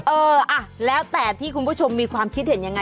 เอออ่ะแล้วแต่ที่คุณผู้ชมมีความคิดเห็นยังไง